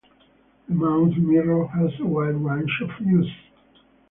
The mouth mirror has a wide range of uses.